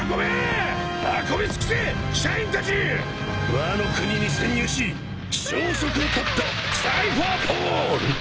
ワノ国に潜入し消息を絶ったサイファーポール！